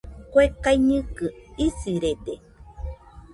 Kue kaiñɨkɨ isirede